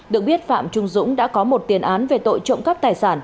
được biết phạm trung dũng đã có một tiền án về tội trộm cắp tài sản